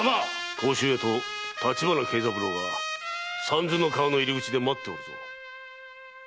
甲州屋と立花慶三郎が三途の川の入り口で待っておる。